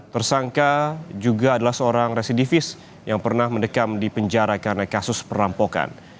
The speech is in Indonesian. tersangka juga adalah seorang residivis yang pernah mendekam di penjara karena kasus perampokan